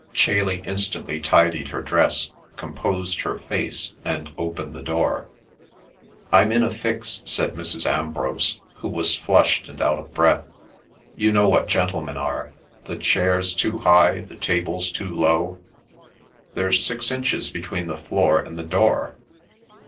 Chailey instantly tidied her dress, composed her face, and opened the door. "I'm in a fix," said Mrs. Ambrose, who was flushed and out of breath. "You know what gentlemen are. The chairs too high—the tables too low—there's six inches between the floor and the door.